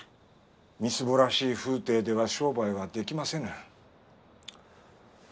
みすぼらしい風体では商売はできませぬ。